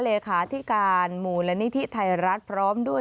เลขาที่การมูลและนิทิศไทยรัฐพร้อมด้วย